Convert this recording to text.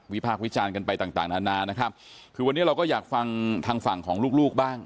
พากษ์วิจารณ์กันไปต่างต่างนานานะครับคือวันนี้เราก็อยากฟังทางฝั่งของลูกลูกบ้าง